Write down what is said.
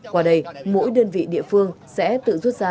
qua đây mỗi đơn vị địa phương sẽ tự rút ra